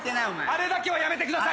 あれだけはやめてください！